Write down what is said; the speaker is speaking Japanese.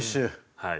はい。